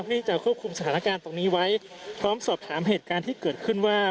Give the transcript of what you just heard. ที่จะควบคุมสถานการณ์ตรงนี้ไว้พร้อมสอบถามเหตุการณ์ที่เกิดขึ้นว่า